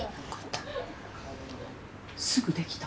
すぐできた？